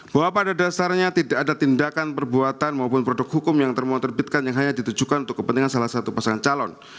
bahwa pada dasarnya tidak ada tindakan perbuatan maupun produk hukum yang termohterbitkan yang hanya ditujukan untuk kepentingan salah satu pasangan calon